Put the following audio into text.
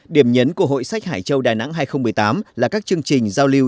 điểm nhấn của hội sách hải châu đà nẵng hai nghìn một mươi tám là các chương trình giao lưu